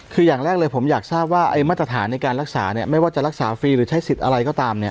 คืออย่างแรกเลยผมอยากทราบว่าไอ้มาตรฐานในการรักษาไม่ว่าจะรักษาฟรีหรือใช้สิทธิ์อะไรก็ตามเนี่ย